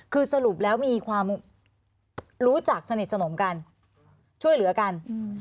คือสรุปแล้วมีความรู้จักสนิทสนมกันช่วยเหลือกัน